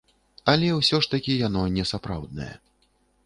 Але ўсё ж такі яно не сапраўднае.